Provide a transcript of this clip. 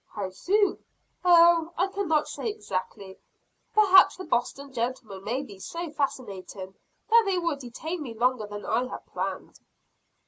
"How soon?" "Oh, I cannot say exactly. Perhaps the Boston gentlemen may be so fascinating that they will detain me longer than I have planned."